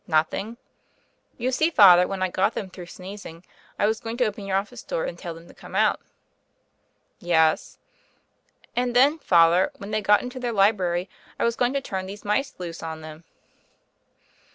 "Nothing?" "You see. Father, when I got them thi^ough sneezing, I was going to open your office door and tell them to come out." "Yes." "And then. Father, when they got into their library, I was going to turn these mice loose on them."